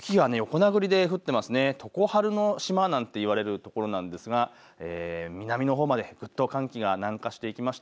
常春の島なんて言われるところなんですが、南のほうまでぐっと寒気が南下していきました。